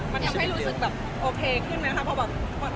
มันยังไงรู้สึกแบบโอเคขึ้นไหมครับ